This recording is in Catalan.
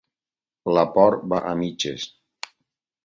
La por va a mitges.